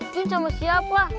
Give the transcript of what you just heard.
jun sama siapa